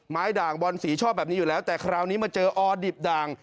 ด่างบอลสีชอบแบบนี้อยู่แล้วแต่คราวนี้มาเจอออดิบด่าง